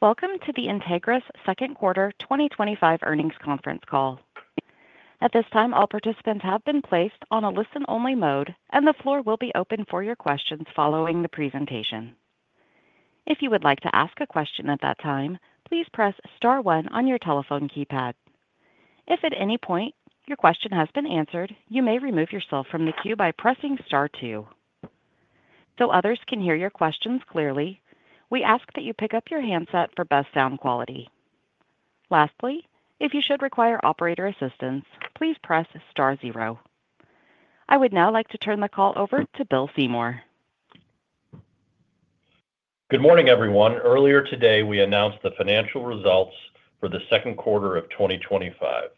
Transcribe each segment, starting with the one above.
Welcome to the Entegris second quarter 2025 earnings conference call. At this time all participants have been placed on a listen only mode and the floor will be open for your questions following the presentation. If you would like to ask a question at that time, please press star 1 on your telephone keypad. If at any point your question has been answered, you may remove yourself from the queue by pressing star 2 so others can hear your questions clearly. We ask that you pick up your handset for best sound quality. Lastly, if you should require operator assistance, please press zero. I would now like to turn the call over to Bill Seymour. Good morning everyone. Earlier today we announced the financial results for the second quarter of 2025.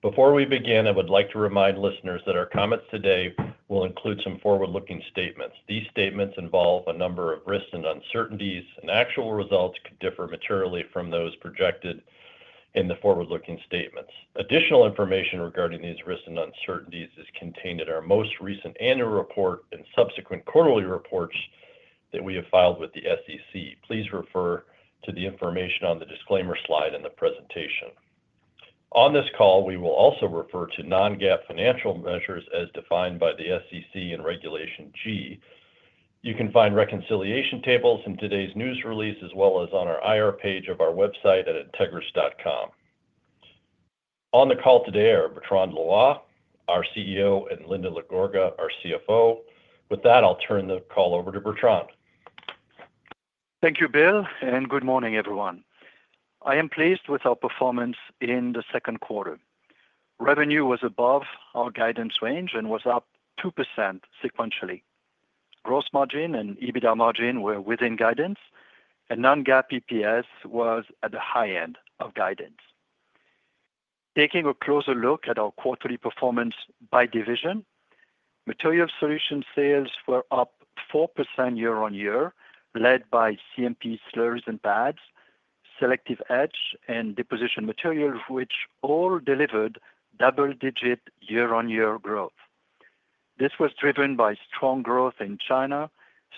Before we begin, I would like to remind listeners that our comments today will include some forward looking statements. These statements involve a number of risks and uncertainties and actual results could differ materially from those projected in the forward looking statements. Additional information regarding these risks and uncertainties is contained in our most recent annual report and subsequent quarterly reports that we have filed with the SEC. Please refer to the information on the disclaimer slide in the presentation. On this call we will also refer to non-GAAP financial measures as defined by the SEC in Regulation G. You can find reconciliation tables in today's news release as well as on our IR page of our website at entegris.com. On the call today are Bertrand Loy, our CEO, and Linda LaGorga, our CFO. With that I'll turn the call over to Bertrand. Thank you Bill and good morning everyone. I am pleased with our performance in the second quarter. Revenue was above our guidance range and was up 2% sequentially. Gross margin and EBITDA margin were within guidance and non-GAAP EPS was at the high end of guidance. Taking a closer look at our quarterly performance by division, Material Solutions sales were up 4% year on year led by CMP slurries and pads, selective etch and deposition materials, which overall delivered double-digit year on year growth. This was driven by strong growth in China,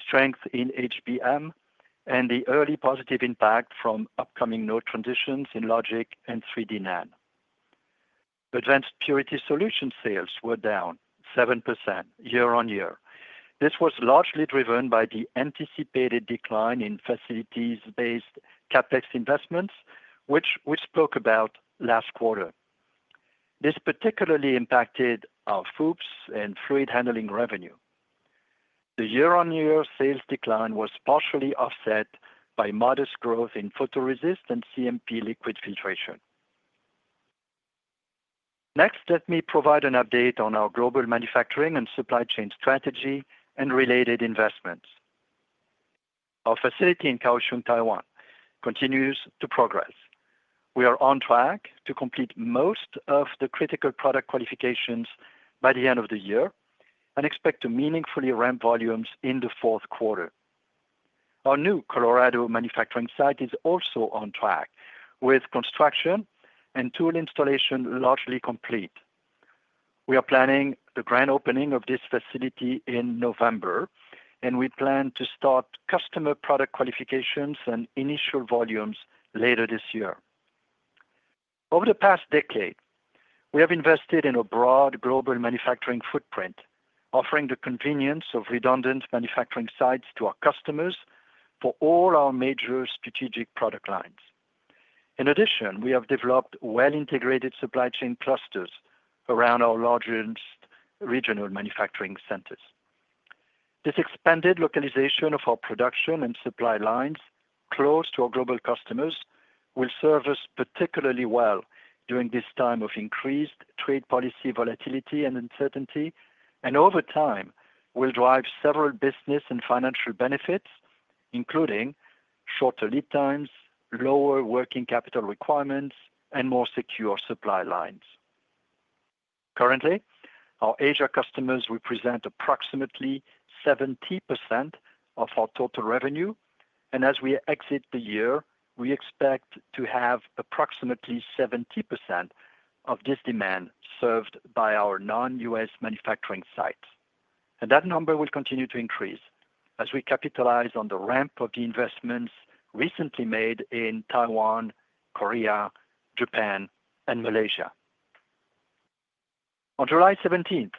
strength in HBM and the early positive impact from upcoming node transitions in logic and 3D NAND. Advanced Purity Solutions sales were down 7% year on year. This was largely driven by the anticipated decline in facilities based on CAPEX investments which we spoke about last quarter. This particularly impacted our FOUPs and fluid handling revenue. The year on year sales decline was partially offset by modest growth in photoresist and CMP liquid filtration. Next, let me provide an update on our global manufacturing and supply chain strategy and related investments. Our facility in Kaohsiung, Taiwan continues to progress. We are on track to complete most of the critical product qualifications by the end of the year and expect to meaningfully ramp volumes in the fourth quarter. Our new Colorado manufacturing site is also on track with construction and tool installation largely complete. We are planning the grand opening of this facility in November and we plan to start customer product qualifications and initial volumes later this year. Over the past decade we have invested in a broad global manufacturing footprint, offering the convenience of redundant manufacturing sites to our customers for all our major strategic product lines. In addition, we have developed well-integrated supply chain clusters around our largest regional manufacturing centers. This expanded localization of our production and supply lines close to our global customers will serve us particularly well during this time of increased trade policy volatility and uncertainty and over time will drive several business and financial benefits including shorter lead times, lower working capital requirements and more secure supply lines. Currently, our Asia customers represent approximately 70% of our total revenue and as we exit the year we expect to have approximately 70% of this demand served by our non-U.S. manufacturing site and that number will continue to increase as we capitalize on the ramp of the investments recently made in Taiwan, Korea, Japan and Malaysia. On July 17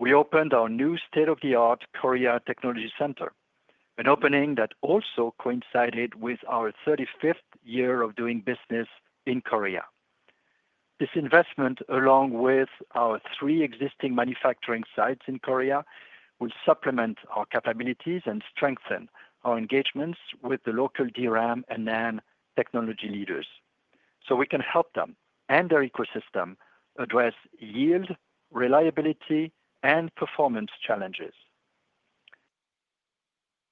we opened our new state-of-the-art Korea Technology Center, an opening that also coincided with our 35th year of doing business in Korea. This investment, along with our three existing manufacturing sites in Korea, will supplement our capabilities and strengthen our engagements with the local DRAM and NAND technology leaders so we can help them and their ecosystem address yield, reliability and performance challenges.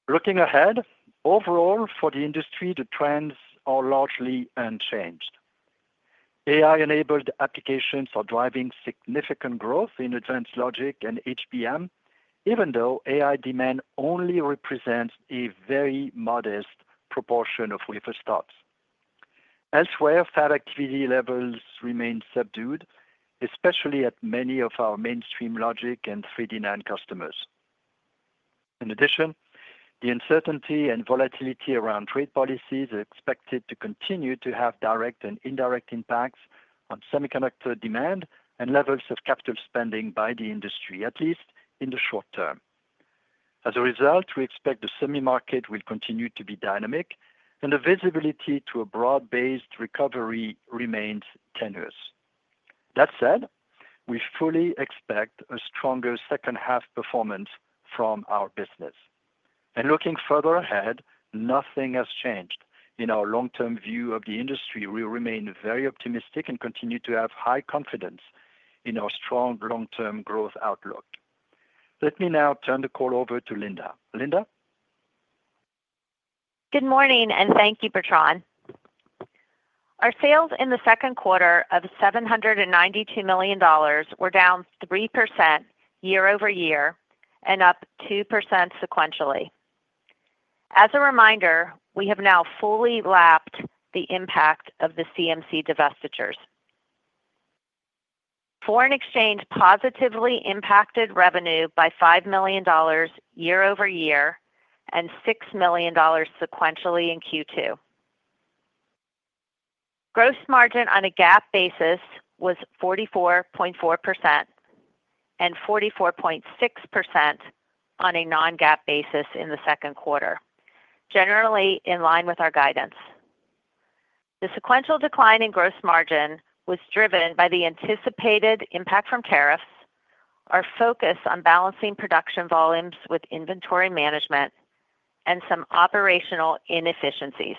Looking ahead, overall for the industry, the trends are largely unchanged. AI-enabled applications are driving significant growth in advanced logic and HBM. Even though AI demand only represents a very modest proportion of wafer starts elsewhere, fab activity levels remain subdued, especially at many of our mainstream logic and 3D NAND customers. In addition, the uncertainty and volatility around trade policies are expected to continue to have direct and indirect impacts on semiconductor demand and levels of capital spending by the industry at least in the short term. As a result, we expect the semi market will continue to be dynamic and the visibility to a broad-based recovery remains tenuous. That said, we fully expect a stronger second half performance from our business and looking further ahead, nothing has changed in our long-term view of the industry. We remain very optimistic and continue to have high confidence in our strong long-term growth outlook. Let me now turn the call over to Linda. Linda. Good morning and thank you Bertrand. Our sales in the second quarter of $792 million were down 3% year over year and up 2% sequentially. As a reminder, we have now fully lapped the impact of the CMC divestitures. Foreign exchange positively impacted revenue by $5 million year over year and $6 million sequentially in Q2. Gross margin on a GAAP basis was 44.4% and 44.6% on a non-GAAP basis in the second quarter, generally in line with our guidance. The sequential decline in gross margin was driven by the anticipated impact from tariffs, our focus on balancing production volumes with inventory management, and some operational inefficiencies.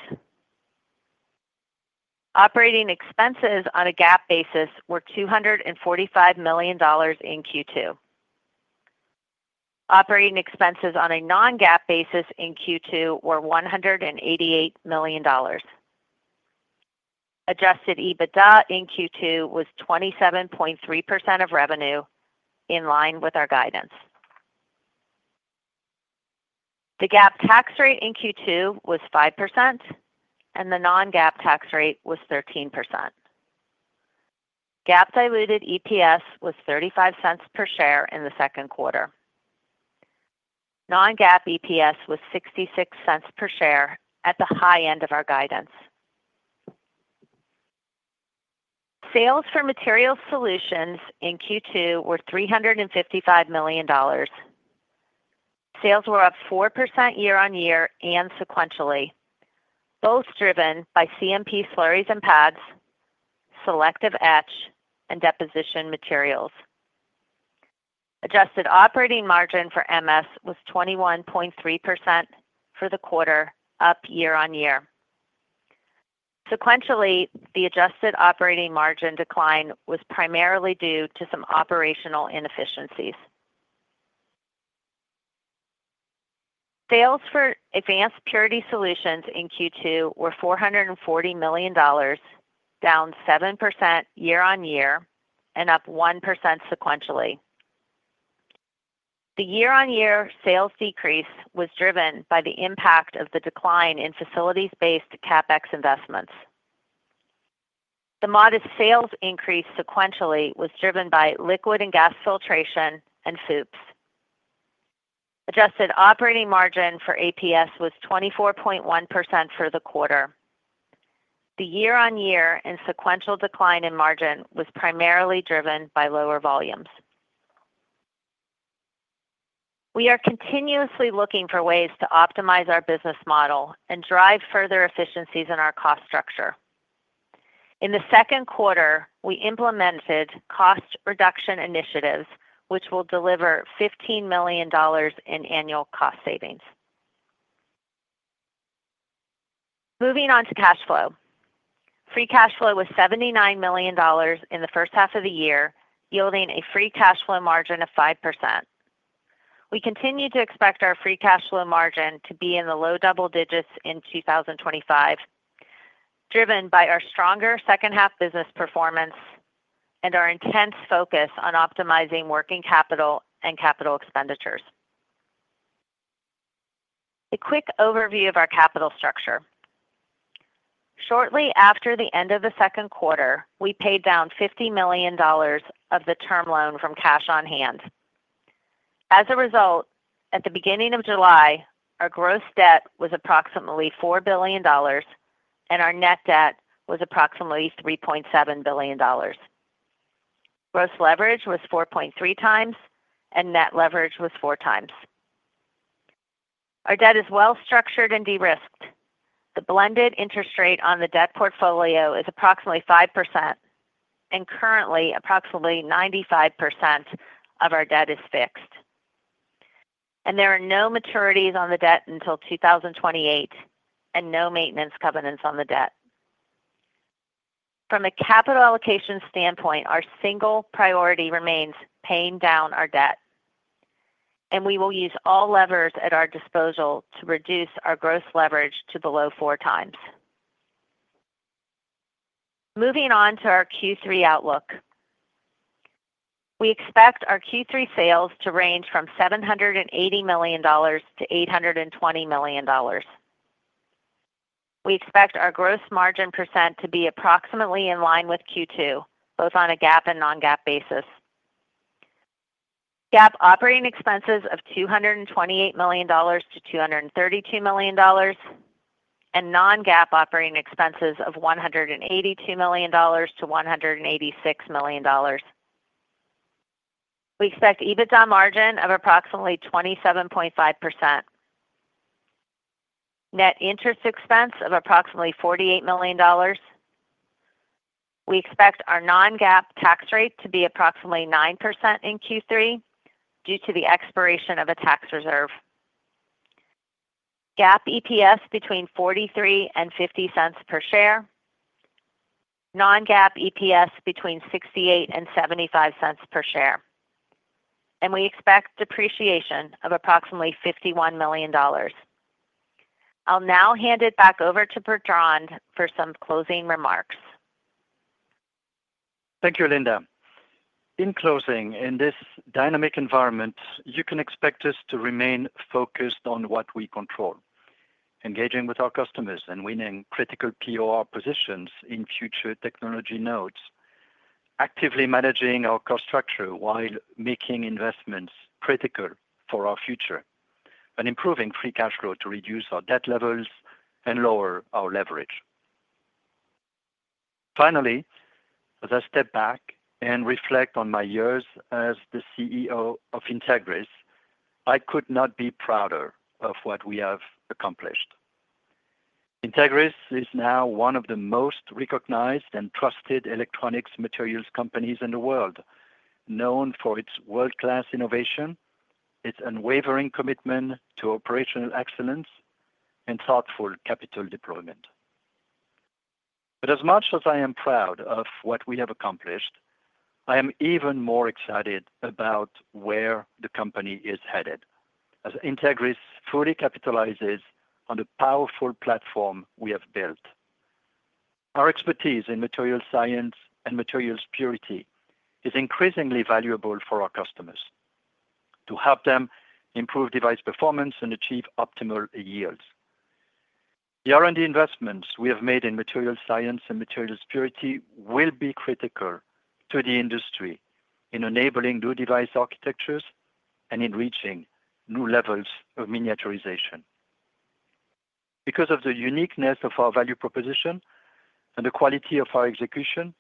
Operating expenses on a GAAP basis were $245 million in Q2. Operating expenses on a non-GAAP basis in Q2 were $188 million. Adjusted EBITDA in Q2 was 27.3% of revenue, in line with our guidance. The GAAP tax rate in Q2 was 5% and the non-GAAP tax rate was 13%. GAAP diluted EPS was $0.35 per share in the second quarter. Non-GAAP EPS was $0.66 per share at the high end of our guidance. Sales for Materials Solutions in Q2 were $355 million. Sales were up 4% year on year and sequentially, both driven by CMP slurries and pads, selective etch, and deposition materials. Adjusted operating margin for MS was 21.3% for the quarter, up year on year and sequentially. The adjusted operating margin decline was primarily due to some operational inefficiencies. Sales for Advanced Purity Solutions in Q2 were $440 million, down 7% year on year and up 1% sequentially. The year on year sales decrease was driven by the impact of the decline in facilities-based CAPEX investments. The modest sales increase sequentially was driven by liquid and gas filtration and FOUPs. Adjusted operating margin for APS was 24.1% for the quarter. The year on year and sequential decline in margin was primarily driven by lower volumes. We are continuously looking for ways to optimize our business model and drive further efficiencies in our cost structure. In the second quarter, we implemented cost reduction initiatives which will deliver $15 million in annual cost savings. Moving on to cash flow. Free cash flow was $79 million in the first half of the year, yielding a free cash flow margin of 5%. We continue to expect our free cash flow margin to be in the low double digits in 2025, driven by our stronger second half business performance and our intense focus on optimizing working capital and capital expenditures. A quick overview of our capital structure. Shortly after the end of the second quarter, we paid down $50 million of the term loan from cash. As a result, at the beginning of July our gross debt was approximately $4 billion and our net debt was approximately $3.7 billion. Gross leverage was 4.3 times and net leverage was 4 times. Our debt is well structured and de-risked. The blended interest rate on the debt portfolio is approximately 5% and currently approximately 95% of our debt is fixed and there are no maturities on the debt until 2028 and no maintenance covenants on the debt. From a capital allocation standpoint, our single priority remains paying down our debt and we will use all levers at our disposal to reduce our gross leverage to below four times. Moving on to our Q3 outlook, we expect our Q3 sales to range from $780 million-$820 million. We expect our gross margin % to be approximately in line with Q2 both on a GAAP and non-GAAP basis, GAAP operating expenses of $228 million-$232 million and non-GAAP operating expenses of $182 million-$186 million. We expect EBITDA margin of approximately 27.5%, net interest expense of approximately $48 million. We expect our non-GAAP tax rate to be approximately 9% in Q3 due to the expiration of a tax reserve, GAAP EPS between $0.43 and $0.50 per share, non-GAAP EPS between $0.68 and $0.75 per share and we expect depreciation of approximately $51 million. I'll now hand it back over to Bertrand for some closing remarks. Thank you, Linda. In closing, in this dynamic environment, you can expect us to remain focused on what we engaging with our customers and winning critical POR positions in future technology nodes, actively managing our cost structure while making investments critical for our future and improving free cash flow to reduce our debt levels and lower our leverage. Finally, as I step back and reflect on my years as the CEO of Entegris, I could not be prouder of what we have accomplished. Entegris is now one of the most recognized and trusted electronics materials companies in the world, known for its world class innovation, its unwavering commitment to operational excellence and thoughtful capital deployment. As much as I am proud of what we have accomplished, I am even more excited about where the company is headed. As Entegris fully capitalizes on the powerful platform we have built, our expertise in material science and materials purity is increasingly valuable for our customers to help them improve device performance and achieve optimal yields. The R and D investments we have made in materials science and materials purity will be critical to the industry in enabling new device architectures and in reaching new levels of miniaturization. Because of the uniqueness of our value proposition and the quality of our execution,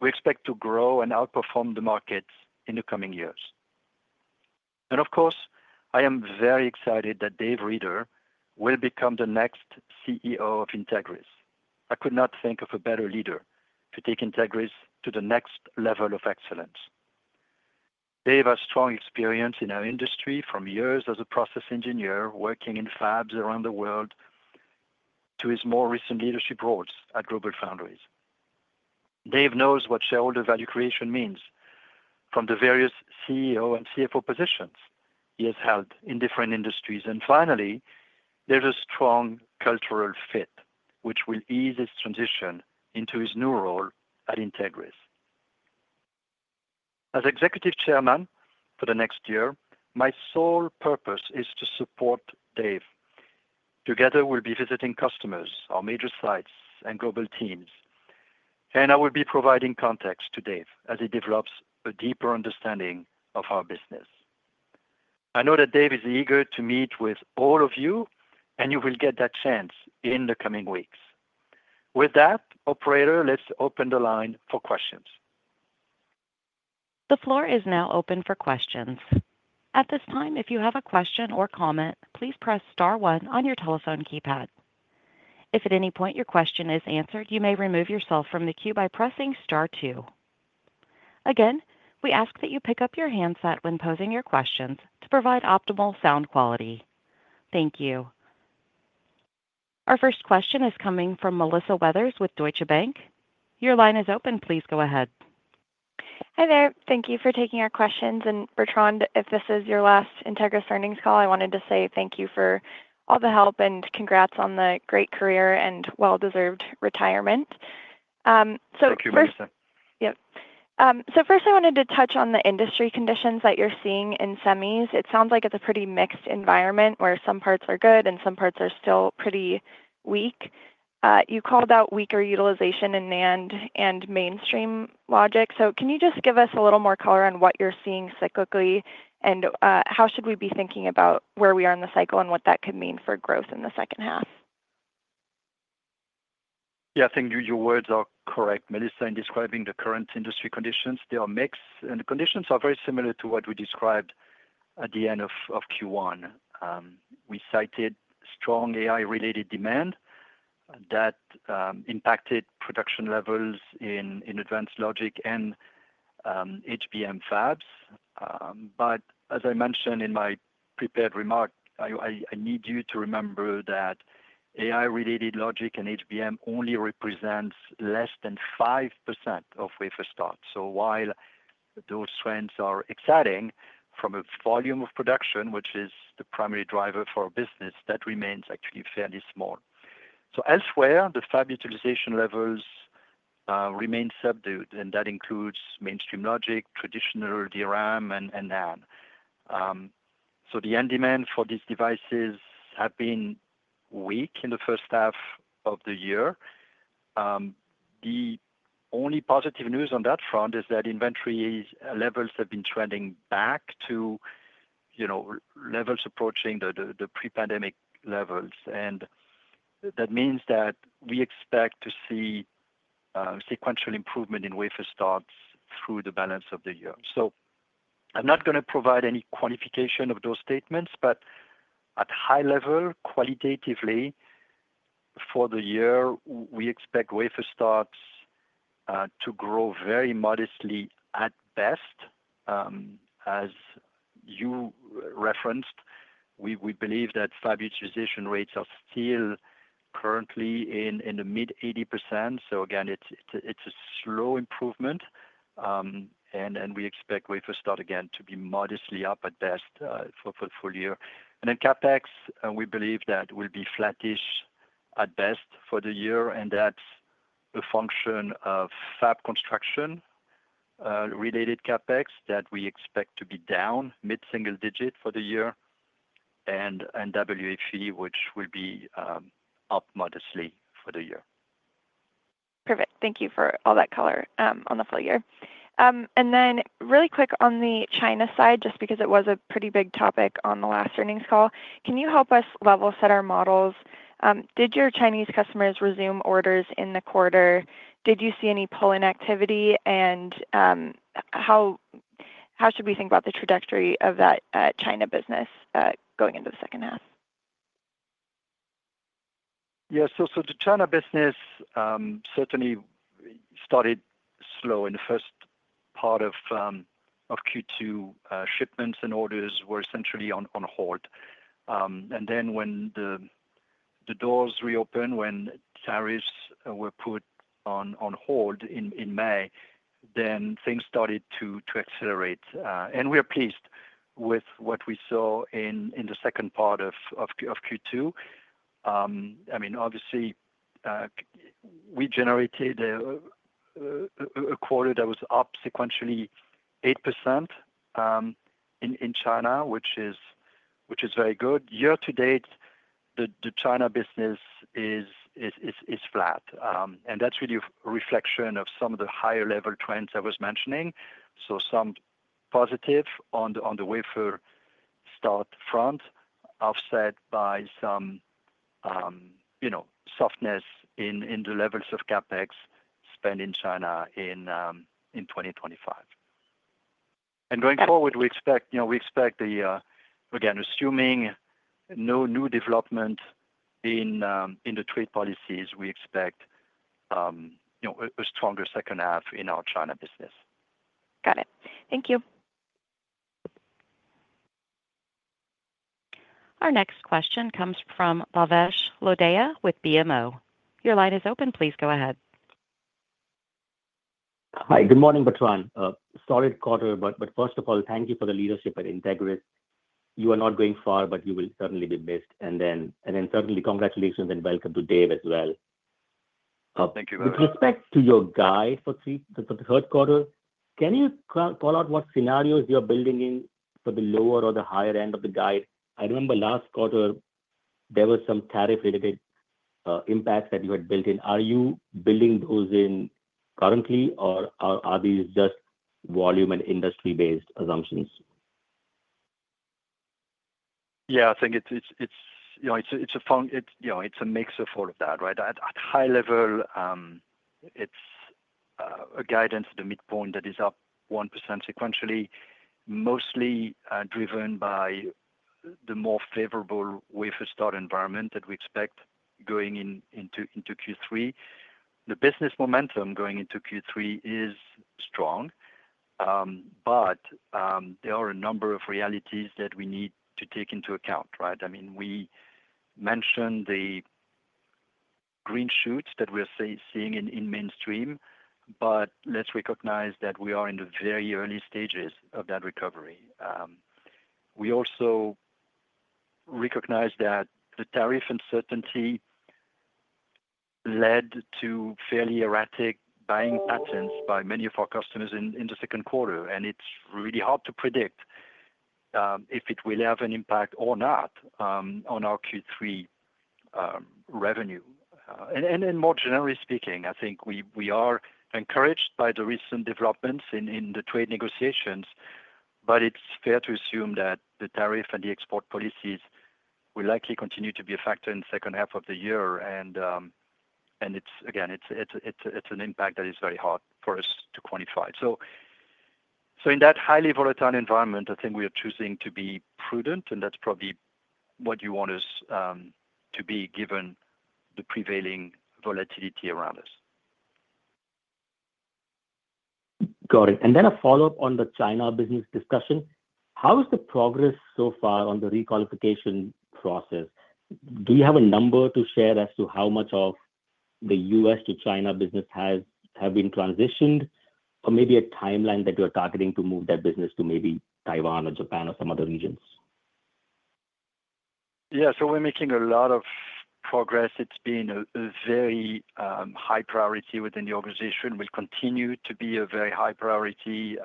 we expect to grow and outperform the markets in the coming years. Of course I am very excited that Dave Rieder will become the next CEO of Entegris. I could not think of a better leader to take Entegris to the next level of excellence. Dave has strong experience in our industry, from years as a process engineer working in fabs around the world to his more recent leadership roles at GlobalFoundries. Dave knows what shareholder value creation means from the various CEO and CFO positions he has held in different industries. Finally, there is a strong cultural fit which will ease his transition into his new role at Entegris. As Executive Chairman for the next year, my sole purpose is to support Dave. Together we will be visiting customers, our major sites and global teams. I will be providing context to Dave as he develops a deeper understanding of our business. I know that Dave is eager to meet with all of you and you will get that chance in the coming weeks. With that, operator, let's open the line for questions. The floor is now open for questions. At this time, if you have a question or comment, please press star 1 on your telephone keypad. If at any point your question is answered, you may remove yourself from the queue by pressing star 2. Again, we ask that you pick up your handset when posing your questions to provide optimal sound quality. Thank you. Our first question is coming from Melissa Weathers with Deutsche Bank. Your line is open. Please go ahead. Hi there. Thank you for taking our questions. Bertrand, if this is your last Entegris earnings call, I wanted to say thank you for all the help and congrats on the great career and well deserved retirement. First, I wanted to touch on the industry conditions that you're seeing in semis. It sounds like it's a pretty mixed environment where some parts are good and some parts are still pretty weak. You called out weaker utilization in NAND and mainstream logic. Can you just give us a little more color on what you're seeing cyclically and how should we be thinking about where we are in the cycle and what that could mean for growth in the second half? Yeah, I think your words are correct, Melissa, in describing the current industry conditions. They are mixed and the conditions are very similar to what we described at the end of Q1. We cited strong AI related demand that impacted production levels in advanced logic and HBM fabs. But as I mentioned in my prepared remark, I need you to remember that AI related logic and HBM only represents less than 5% of wafer starts. So while those trends are exciting from a volume of production which is the primary driver for business, that remains actually fairly small. Elsewhere the fab utilization levels remain subdued and that includes mainstream logic, traditional DRAM and NAND. The end demand for these devices has been weak in the first half of the year. The only positive news on that front is that inventory levels have been trending back to, you know, levels approaching the pre-pandemic levels. That means that we expect to see sequential improvement in wafer starts through the balance of the year. I'm not going to provide any quantification of those statements. At a high level qualitatively for the year we expect wafer starts to grow very modestly at best. As you referenced, we believe that fab utilization rates are still currently in the mid 80%. Again, it's a slow improvement. We expect wafer starts again to be modestly up at best for the full year. CapEx, we believe that will be flattish at best for the year. That's a function of fab construction related CapEx that we expect to be down mid single digit for the year and NW fee which will be up modestly for the year. Perfect, thank you for all that color on the full year. Really quick on the China side just because it was a pretty big topic on the last earnings call. Can you help us level set our models? Did your Chinese customers resume orders in the quarter? Did you see any pull in activity? How should we think about the trajectory of that China business going into the second half? Yes, the China business certainly started slow in the first part of Q2. Shipments and orders were essentially on hold. When the doors reopened, when tariffs were put on hold in May, things started to accelerate. We are pleased with what we saw in the second part of Q2. I mean obviously we generated a quarter that was up sequentially 8% in China, which is very good. Year to date, the China business is flat and that's really a reflection of some of the higher level trends I was mentioning. Some positive on the wafer start front offset by some, you know, softness in the levels of CAPEX spend in China in 2025. Going forward we expect, you know, we expect again, assuming no new development in the trade policies, a stronger second half in our China business. Got it. Thank you. Our next question comes from Bhavesh Lodaya with BMO. Your line is open. Please go ahead. Hi, good morning Bertrand. Solid quarter, but first of all thank you for the leadership at Entegris. You are not going far but you will certainly be missed. Certainly congratulations and welcome to Dave as well. Thank you very much. With respect to your guide for the third quarter, can you call out what scenarios you're building in for the lower or the higher end of the guide? I remember last quarter there was some tariff related impacts that you had built in. Are you building those in currently or are these just volume and industry based assumptions? Yeah, I think it's a mix of all of that. Right. At high level it's a guidance at the midpoint that is up 1% sequentially, mostly driven by the more favorable wafer start environment that we expect going into Q3. The business momentum going into Q3 is strong, but there are a number of realities that we need to take into account. Right. I mean we mentioned the green shoots that we're seeing in mainstream, but let's recognize that we are in the very early stages of that recovery. We also recognize that the tariff uncertainty led to fairly erratic buying patterns by many of our customers in the second quarter and it's really hard to predict if it will have an impact or not on our Q3 revenue. More generally speaking, I think we are encouraged by the recent developments in the trade negotiations. It's fair to assume that the tariff and the export policies will likely continue to be a factor in the second half of the year. Again, it's an impact that is very hard for us to quantify. In that highly volatile environment, I think we are choosing to be prudent and that's probably what you want us to be given the prevailing volatility around us. Got it. And then a follow up on the China business discussion. How is the progress so far on the requalification process? Do you have a number to share as to how much of the US to China business has have been transitioned or maybe a timeline that you're targeting to move that business to maybe Taiwan or Japan or some other regions? Yeah, so we're making a lot of progress. It's been a very high priority within the organization. It will continue to be a very high priority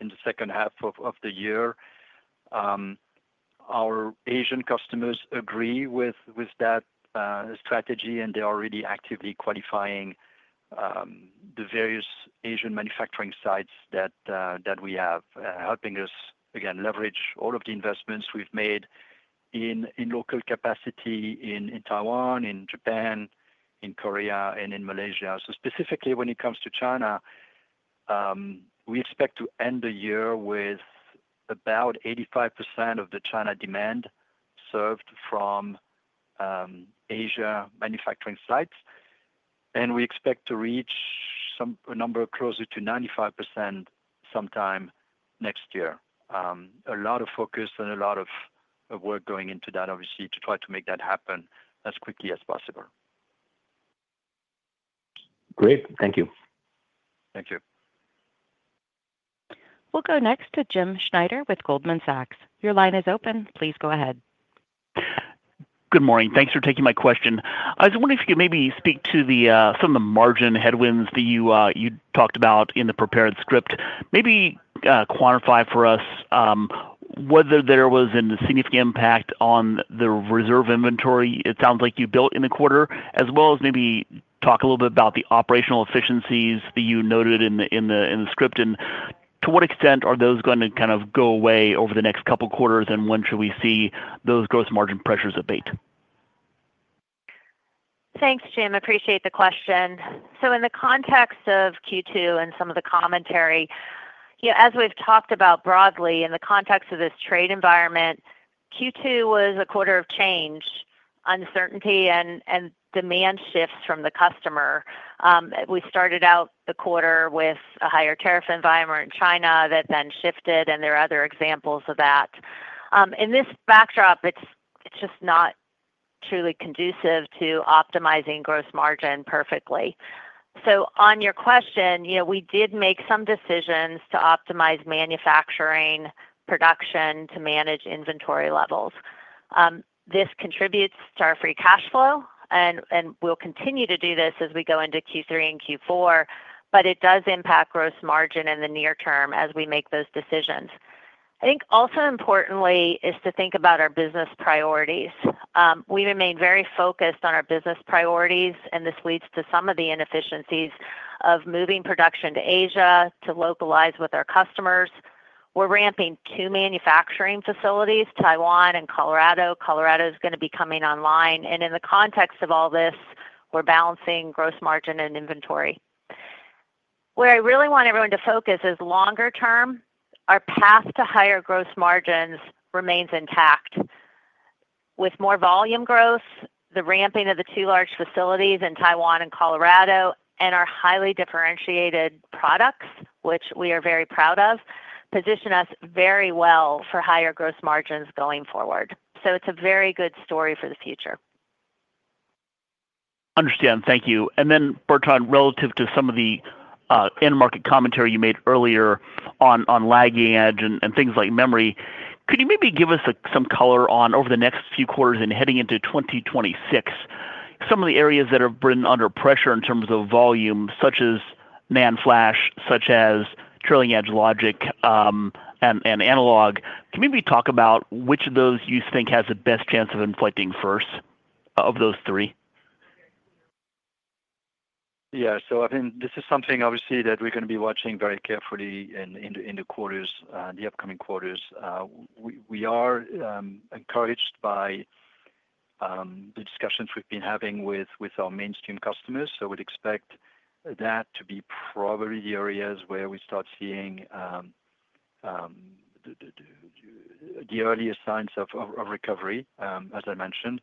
in the second half of the year. Our Asian customers agree with that strategy, and they are really actively qualifying the various Asian manufacturing sites that we have, helping us again leverage all of the investments we've made in local capacity in Taiwan, in Japan, in Korea, and in Malaysia. Specifically, when it comes to China, we expect to end the year with about 85% of the China demand served from Asia manufacturing sites, and we expect to reach a number closer to 95% sometime next year. A lot of focus and a lot of work going into that, obviously to try to make that happen as quickly as possible. Great. Thank you. Thank you. We'll go next to Jim Schneider with Goldman Sachs. Your line is open. Please go ahead. Good morning. Thanks for taking my question. I was wondering if you could maybe speak to some of the margin headwinds that you talked about in the prepared script, maybe quantify for us whether there was a significant impact on the reserve inventory. It sounds like you built in the quarter as well as maybe talk a little bit about the operational efficiencies that you noted in the script and to what extent are those going to kind of go away over the next couple quarters and when should we see those gross margin pressures abate? Thanks, Jim. Appreciate the question. In the context of Q2 and some of the commentary, as we've talked about broadly in the context of this trade environment, Q2 was a quarter of change, uncertainty, and demand shifts from the customer. We started out the quarter with a higher tariff environment in China that then shifted. There are other examples of that in this backdrop. It is just not truly conducive to optimizing gross margin perfectly. On your question, we did make some decisions to optimize manufacturing production to manage inventory levels. This contributes to our free cash flow and we'll continue to do this as we go into Q3 and Q4, but it does impact gross margin in the near term as we make those decisions. I think also importantly is to think about our business priorities. We remain very focused on our business priorities and this leads to some of the inefficiencies of moving production to Asia. To localize with our customers, we're ramping two manufacturing facilities, Taiwan and Colorado. Colorado is going to be coming online. In the context of all this, we're balancing gross margin and inventory. Where I really want everyone to focus is longer term, our path to higher gross margins remains intact with more volume growth. The ramping of the two large facilities in Taiwan and Colorado and our highly differentiated products, which we are very proud of, position us very well for higher gross margins going forward. It is a very good story for the future. Understand. Thank you. Then Bertrand, relative to some of the end market commentary you made earlier on lagging edge and things like memory, could you maybe give us some color on over the next few quarters and heading into 2026, some of the areas that have been under pressure in terms of volume, such as NAND flash, such as trailing edge, logic and analog, can maybe talk about which of those you think has the best chance of inflecting first of those three. Yeah. I think this is something obviously that we're going to be watching very carefully in the upcoming quarters. We are encouraged by the discussions we've been having with our mainstream customers. We'd expect that to be probably the areas where we start seeing the earliest signs of recovery, as I mentioned.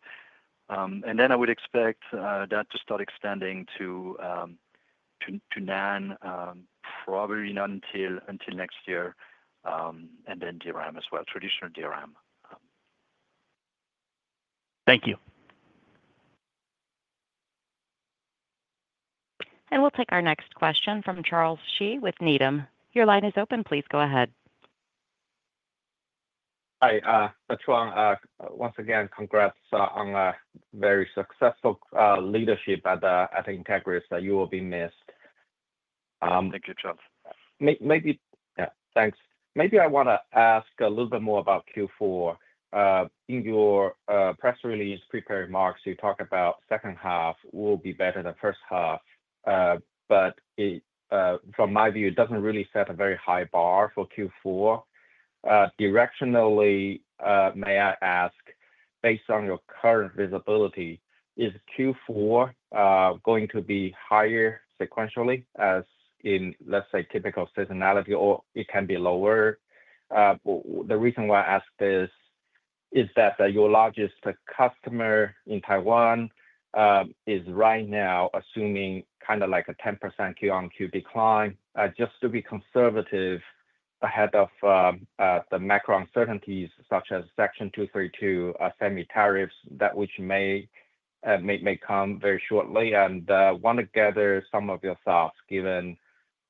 I would expect that to start extending to NAND, probably not until next year, and then DRAM as well. Traditional DRAM. Thank you. We will take our next question from Charles Shi with Needham. Your line is open. Please go ahead. Hi, once again congrats on a very successful leadership at Entegris that you will be missed. Thank you, Charles. Maybe. Thanks. Maybe I want to ask a little bit more about Q4. In your press release prepared remarks you talk about second half will be better than first half, but from my view it does not really set a very high bar for Q4 directionally. May I ask, based on your current visibility, is Q4 going to be higher sequentially as in let's say typical seasonality or it can be lower? The reason why I ask this is that your largest customer in Taiwan is right now assuming kind of like a 10% Q on Q decline just to be conservative ahead of the macro uncertainties such as section 232 semi tariffs, that which may come very shortly and want to gather some of your thoughts even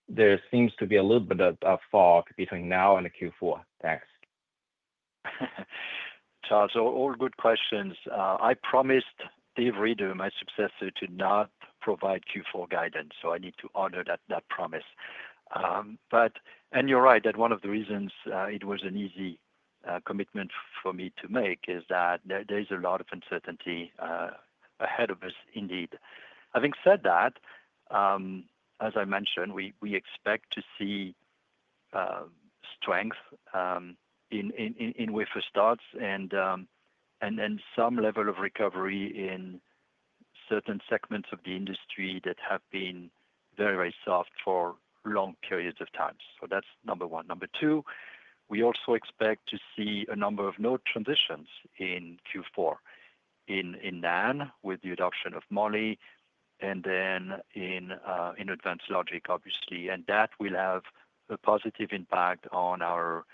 there seems to be a little bit of fog between now and Q4. Thanks. Charles. All good questions. I promised Dave Rieder, my successor, to not provide Q4 guidance. I need to honor that promise. You're right that one of the reasons it was an easy commitment for me to make is that there is a lot of uncertainty ahead of us. Indeed, having said that, as I mentioned, we expect to see strength in wafer starts and then some level of recovery in certain segments of the industry that have been very, very soft for long periods of time. That's number one. Number two, we also expect to see a number of node transitions in Q4 in NAND with the adoption of Molly and then in advanced logic obviously. That will have a positive impact on our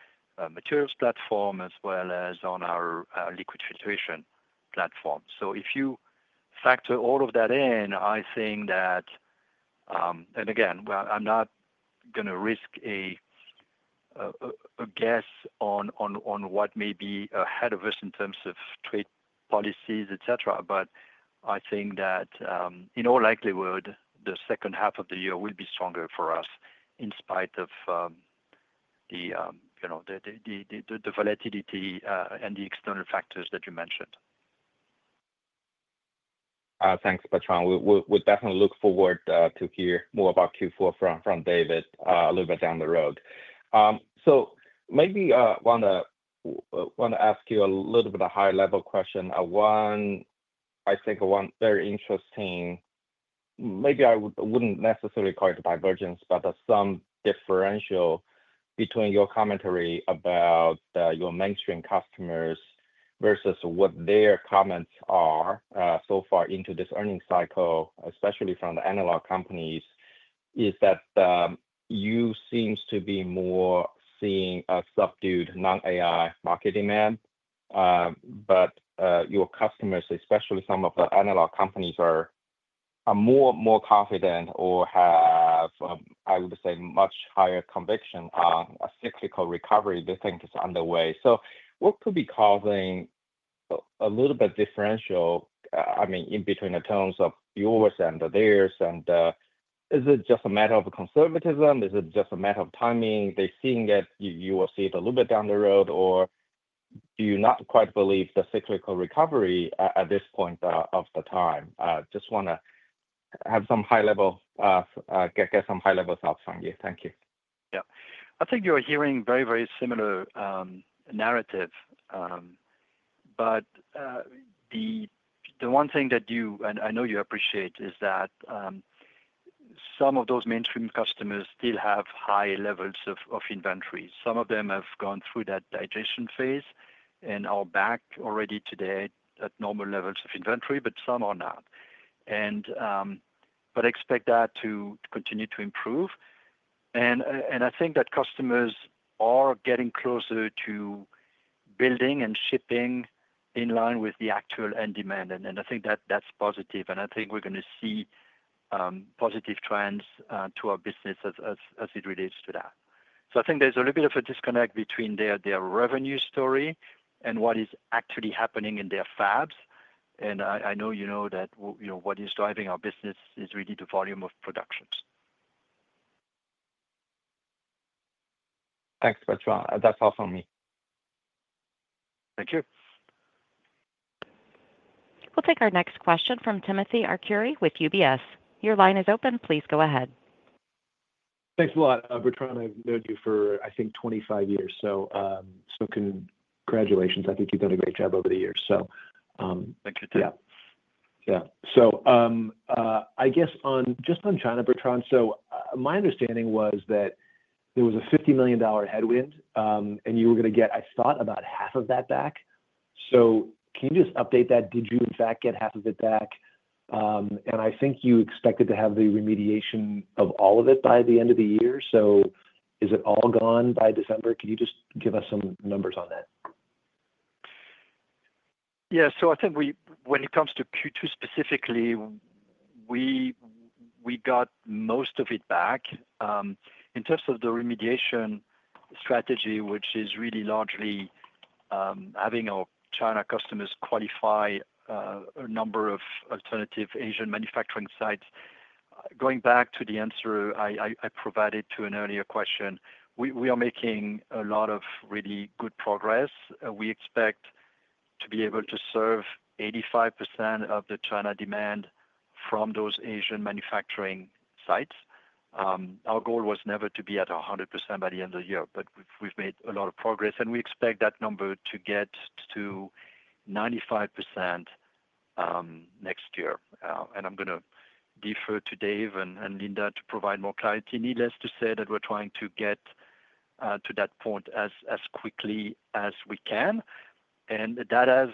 materials platform as well as on our liquid filtration platform. If you factor all of that in, I think that, and again I'm not going to risk a guess on what may be ahead of us in terms of trade policies, etc. I think that in all likelihood the second half of the year will be stronger for us in spite of the, you know, the volatility and the external factors that you mentioned. Thanks, Bertrand. We definitely look forward to hear more about Q4 from David a little bit down the road. Maybe want to ask you a little bit of high level question. One, I think one very interesting, maybe I would not necessarily call it a divergence, but some differential between your commentary about your mainstream customers versus what their comments are so far into this earnings cycle, especially from the analog companies, is that you seem to be more seeing a subdued non-AI market demand, but your customers, especially some of the analog companies, are more confident or have, I would say, much higher conviction on a cyclical recovery they think is underway. What could be causing a little bit differential, I mean, in between the terms of yours and theirs, and is it just a matter of conservatism? Is it just a matter of timing? They seeing it, you will see it a little bit down the road. Or do you not quite believe the cyclical recovery at this point of the time? Just want to have some high level, get some high level thoughts on you. Thank you. Yeah, I think you are hearing very, very similar narrative. The one thing that you and I know you appreciate is that some of those mainstream customers still have high levels of inventory. Some of them have gone through that digestion phase and are back already today at normal levels of inventory, but some are not. Expect that to continue to improve and I think that customers are getting closer to building and shipping in line with the actual end demand and I think that that's positive and I think we're going to see positive trends to our business as it relates to that. I think there's a little bit of a disconnect between their revenue story and what is actually happening in their fabs. I know you know that you know what is driving our business is really the volume of productions. Thanks Bertrand. That's all from me. Thank you. We'll take our next question from Timothy Arcuri with UBS. Your line is open. Please go ahead. Thanks a lot, Bertrand, I've known you for I think 25 years, so congratulations. I think you've done a great job over the years. Thank you Tim. Yeah, so I guess just on China, Bertrand. My understanding was that there was a $50 million headwind and you were going to get, I thought, about half of that back. Can you just update that? Did you in fact get half of it back? I think you expected to have the remediation of all of it by the end of the year. Is it all gone by December? Can you just give us some numbers on that? Yes. I think when it comes to Q2 specifically, we got most of it back in terms of the remediation strategy, which is really largely having our China customers qualify a number of alternative Asian manufacturing sites. Going back to the answer I provided to an earlier question, we are making a lot of really good progress. We expect to be able to serve 85% of the China demand from those Asian manufacturing sites. Our goal was never to be at 100% by the end of the year, but we've made a lot of progress and we expect that number to get to 95% next year. I'm going to defer to Dave and Linda to provide more clarity. Needless to say that we're trying to get to that point as quickly as we can. That has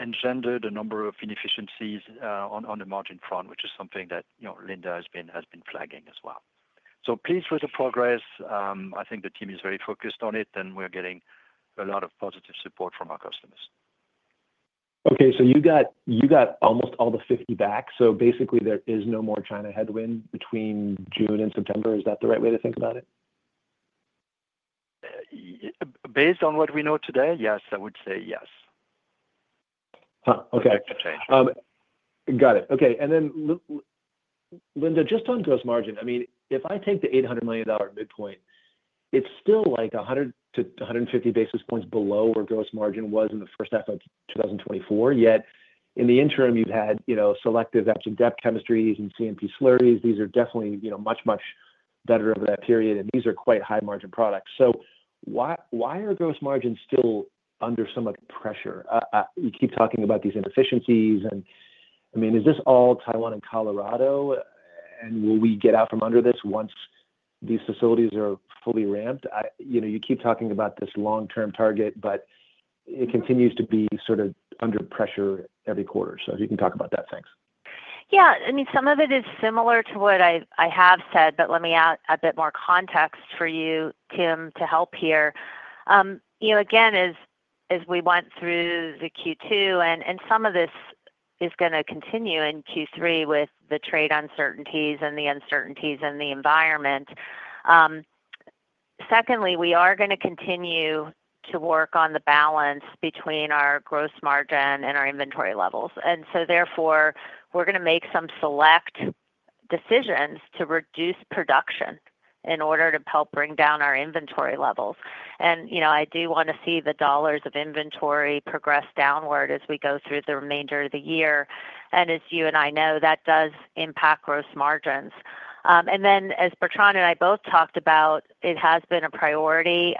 engendered a number of inefficiencies on the margin front, which is something that Linda has been flagging as well. Pleased with the progress. I think the team is very focused on it and we're getting a lot of positive support from our customers. Okay, so you got almost all the 50 back. So basically there is no more China headwind between June and September. Is that the right way to think about it? Based on what we know today? Yes, I would say yes. Okay, got it. Okay. And then Linda, just on gross margin, I mean, if I take the $800 million midpoint, it's still like 100 to 150 basis points below where gross margin was in the first half of 2024. Yet in the interim you've had selective depth chemistry and CMP slurries. These are definitely much, much better over that period. And these are quite high margin products. So why are gross margins still under so much pressure? We keep talking about these inefficiencies and I mean, is this all Taiwan and Colorado and will we get out from under this once these facilities are fully ramped? You know, you keep talking about this long term target, but it continues to be sort of under pressure every quarter. You can talk about that. Thanks. Yeah, I mean some of it is similar to what I have said. But let me add a bit more context for you, Tim, to help here. Again, as we went through the Q2 and some of this is going to continue in Q3 with the trade uncertainties and the uncertainties in the environment. Secondly, we are going to continue to work on the balance between our gross margin and our inventory levels. Therefore, we are going to make some select decisions to reduce production in order to help bring down our inventory levels. And, you know, I do want to see the dollars of inventory progress downward as we go through the remainder of the year. As you and I know, that does impact gross margins. As Bertrand and I both talked about, it has been a priority.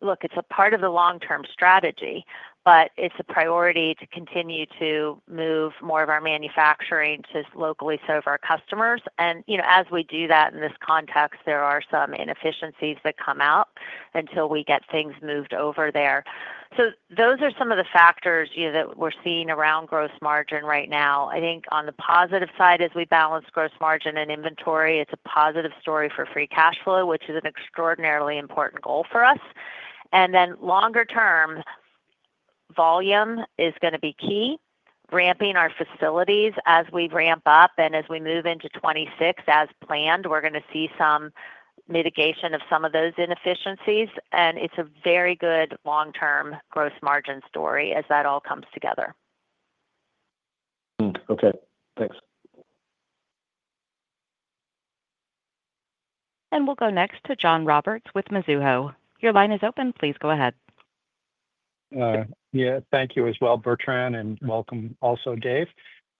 Look, it is a part of the long term strategy, but it is a priority to continue to move more of our manufacturing to locally serve our customers. As we do that, in this context, there are some inefficiencies that come out until we get things moved over there. Those are some of the factors that we are seeing around gross margin right now. I think on the positive side, as we balance gross margin and inventory, it is a positive story for free cash flow, which is an extraordinarily important goal for us. Longer term, volume is going to be key, ramping our facilities as we ramp up. As we move into 2026 as planned, we are going to see some mitigation of some of those inefficiencies. It is a very good long term gross margin story as that all comes together. Okay, thanks. We will go next to John Roberts with Mizuho. Your line is open. Please go ahead. Yeah, thank you as well, Bertrand, and welcome also, Dave.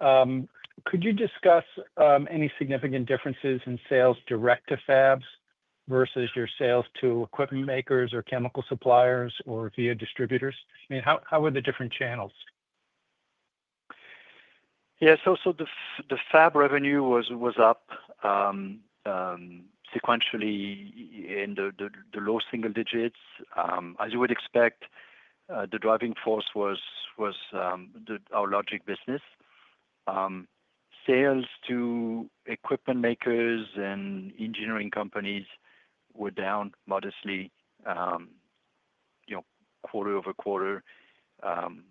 Could you discuss any significant differences in sales direct to fabs versus your sales to equipment makers or chemical suppliers or via distributors? I mean, how are the different channels? Yeah, so the fab revenue was up sequentially in the low single digits as you would expect. The driving force was our logic. Business sales to equipment makers and engineering companies were down modestly quarter over quarter,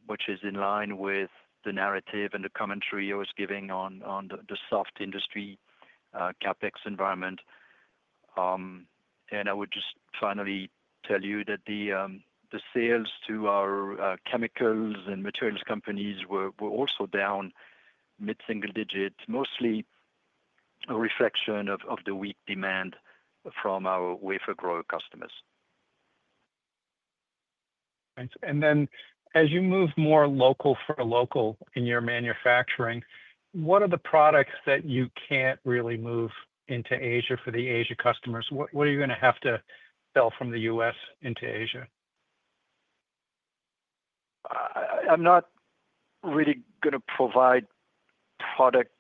which is in line with the narrative and the commentary I was giving on the soft industry CapEx environment. I would just finally tell you that the sales to our chemicals and materials companies were also down mid single digit, mostly a reflection of the weak demand from our wafer grower customers. As you move more local for local in your manufacturing, what are the products that you can't really move into Asia for the Asia customers, what are you going to have to sell from the U.S. into Asia. I'm not really going to provide product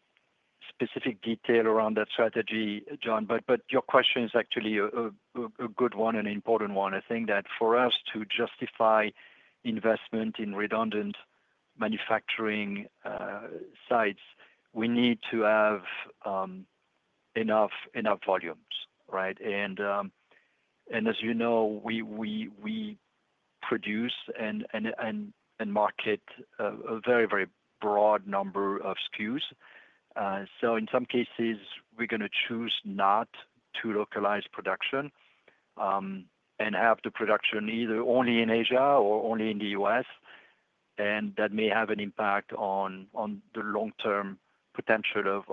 specific detail around that strategy, John, but your question is actually a good one and important one. I think that for us to justify investment in redundant manufacturing sites, we need to have enough volumes. Right. And as you know, we produce and market a very, very broad number of SKUs. In some cases we're going to choose not to localize production and have the production either only in Asia or only in the U.S. and that may have an impact on the long term potential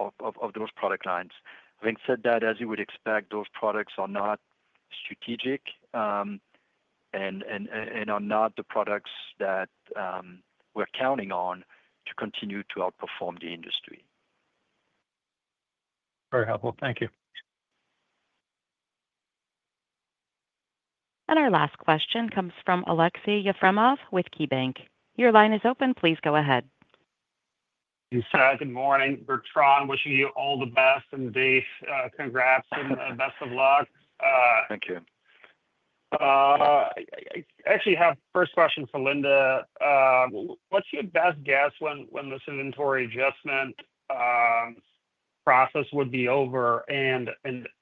of those product lines. Having said that, as you would expect, those products are not strategic and are not the products that we're counting on to continue to outperform the industry. Very helpful, thank you. Our last question comes from Aleksey Yefremov with KeyBanc. Your line is open. Please go ahead. Good morning, Bertrand. Wishing you all the best. Dave, congrats and best of luck. Thank you. I actually have first question for Linda. What's your best guess when this inventory adjustment process would be over and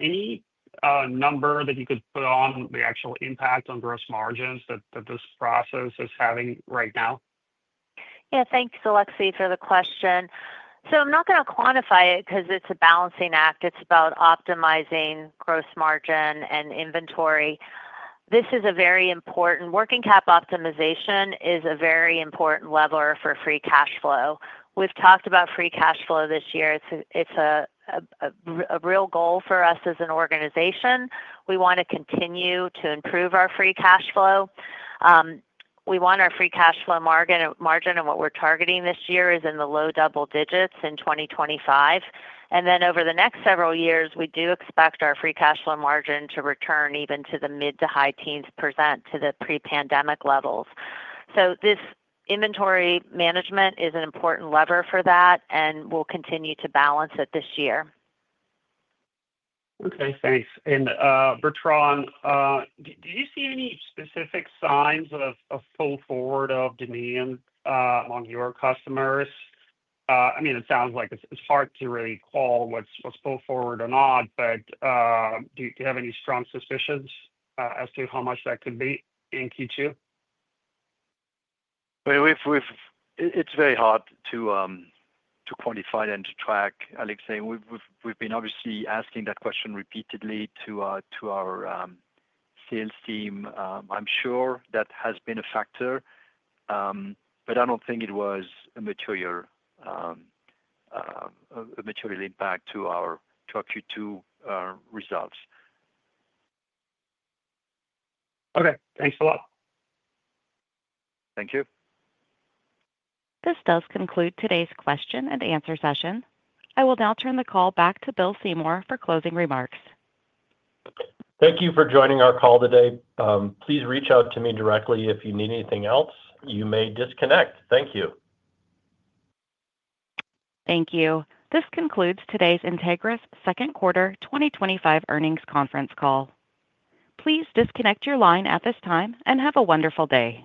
any number that you could put on the actual impact on gross margins that this process is having right now? Yeah, thanks Alexei for the question. I'm not going to quantify it because it's a balancing act. It's about optimizing gross margin and inventory. This is a very important working cap. Optimization is a very important lever for free cash flow. We've talked about free cash flow this year. It's a real goal for us as an organization. We want to continue to improve our free cash flow. We want our free cash flow margin. What we're targeting this year is in the low double digits in 2025. Over the next several years we do expect our free cash flow margin to return even to the mid to high teens % to the pre-pandemic levels. This inventory management is an important lever for that and we'll continue to balance it this year. Okay, thanks. Bertrand, do you see any specific signs of a pull forward of demand among your customers? I mean it sounds like it's hard to really call what's pulled forward or not, but do you have any strong suspicions as to how much that could be in Q2? It's very hard to quantify and to track. Alex saying. We've been obviously asking that question repeatedly to our sales team. I'm sure that has been a factor, but I don't think it was a material impact to our Q2 results. Okay, thanks a lot. Thank you. This does conclude today's question and answer session. I will now turn the call back to Bill Seymour for closing remarks. Thank you for joining our call today. Please reach out to me directly if you need anything else. You may disconnect. Thank you. Thank you. This concludes today's Entegris second quarter 2025 earnings conference call. Please disconnect your line at this time and have a wonderful day.